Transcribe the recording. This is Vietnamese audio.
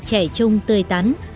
trẻ trung tươi tắn